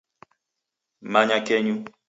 Manya kenyu